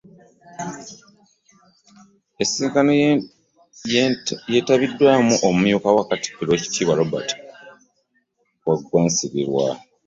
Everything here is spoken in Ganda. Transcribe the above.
Ensisinkano yeetabiddwamu omumyuka wa katikkiro oweekitiibwa Robert Waggwa Nsibirwa